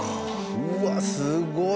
うわっすごい。